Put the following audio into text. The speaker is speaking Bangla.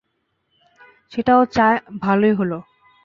সেটাও ভালই হলো।